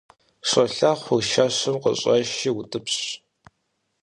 Щолэхъур шэщым къыщӀэши утӀыпщ.